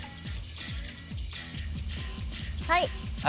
はい。